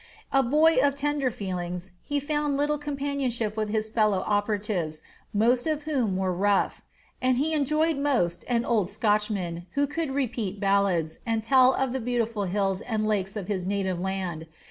A boy of tender feelings, he found little companionship with his fellow operatives, most of whom were rough; and he enjoyed most an old Scotchman who could repeat ballads, and tell of the beautiful hills and lakes of his native land.